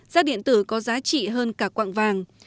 rác điện tử có giá trị hơn cả quạng vàng